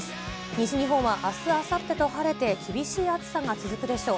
西日本はあす、あさってと晴れて、厳しい暑さが続くでしょう。